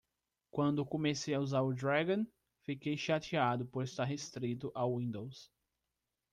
Quando comecei a usar o Dragon?, fiquei chateado por estar restrito ao Windows.